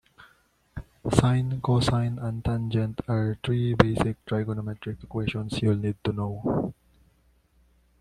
Sine, cosine and tangent are three basic trigonometric equations you'll need to know.